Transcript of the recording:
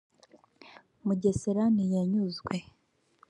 Mugesera ntiyanyuzwe